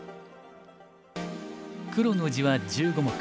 黒の地は１５目。